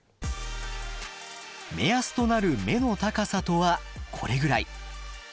目安となる目の高さとはこれぐらい。